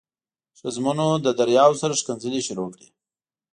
ښځمنو له دریاو سره ښکنځلې شروع کړې.